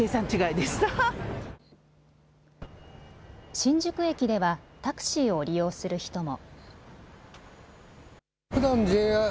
新宿駅ではタクシーを利用する人も。